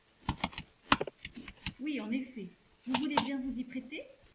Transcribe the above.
Oui, en effet. Vous voulez bien vous y prêter?